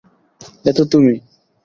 এ তো তুমি!